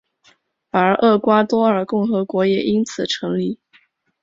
而厄瓜多尔共和国也因此成立。